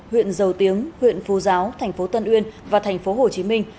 huyện dầu tiếng huyện phu giáo thành phố tân uyên và thành phố hồ chí minh